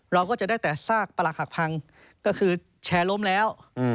เราก็จะได้แต่ซากประหลักหักพังก็คือแชร์ล้มแล้ว